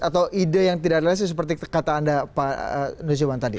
atau ide yang tidak realistis seperti kata anda pak nusiwan tadi